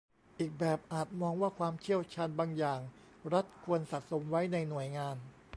อีกแบบอาจมองว่าความเชี่ยวชาญบางอย่างรัฐควรสะสมไว้ในหน่วยงาน